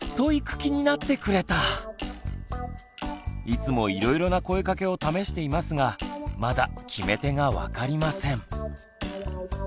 いつもいろいろな声かけを試していますがまだ決め手が分かりません。